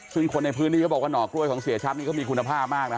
ซึ่งคนในพื้นที่เขาบอกว่าหน่อกล้วยของเสียชัดนี่เขามีคุณภาพมากนะ